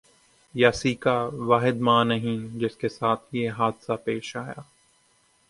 یاسیکا واحد ماں نہیں جس کے ساتھ یہ حادثہ پیش آیا